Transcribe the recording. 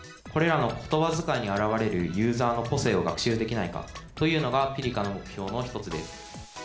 これらの言葉遣いに現れるユーザーの個性を学習できないかというのが「−ｐｉｒｋａ−」の目標の一つです。